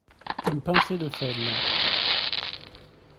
une pincé de sel